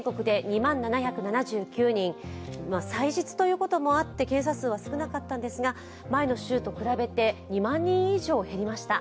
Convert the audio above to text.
祭日ということもあって検査数は少なかったんですが前の週と比べて２万人以上減りました。